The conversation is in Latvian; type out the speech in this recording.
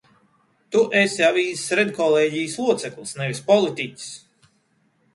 Tu esi avīzes redkolēģijas loceklis, nevis politiķis!